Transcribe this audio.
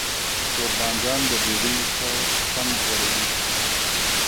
تور بانجان د ډوډۍ ښه خوند لوړوي.